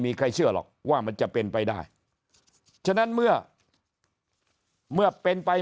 มีใครเชื่อหรอกว่ามันจะเป็นไปได้ฉะนั้นเมื่อเมื่อเป็นไป